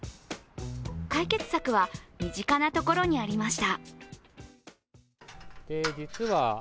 解決策は身近なところにありました。